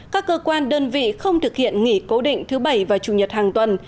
các cơ quan đơn vị không thực hiện nghỉ cố định thứ bảy và chủ nhật hàng tuần